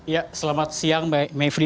ya selamat siang mbak mevri